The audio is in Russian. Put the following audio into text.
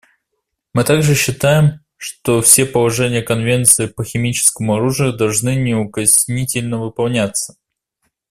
Мы также считаем, что все положения Конвенции по химическому оружию должны неукоснительно выполняться.